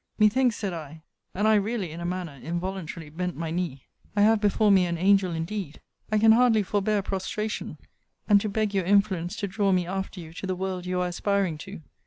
Methinks, said I, [and I really, in a manner, involuntarily bent my knee,] I have before me an angel indeed. I can hardly forbear prostration, and to beg your influence to draw me after you to the world you are aspiring to!